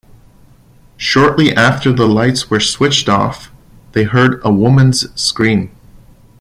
Shortly after the lights were switched off, they heard a woman's scream.